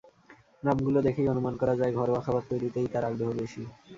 নামগুলো দেখেই অনুমান করা যায়, ঘরোয়া খাবার তৈরিতেই তাঁর আগ্রহ বেশি।